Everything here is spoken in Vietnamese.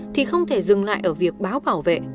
thì không thể dừng lại ở việc báo bảo vệ